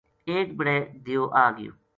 ایک بِڑے دیو آ گیو